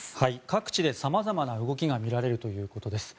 各地で様々な動きが見られるということです。